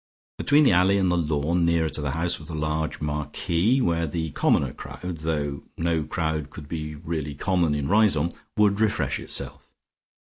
Between the alley and the lawn nearer to the house was a large marquee, where the commoner crowd though no crowd could be really common in Riseholme would refresh itself.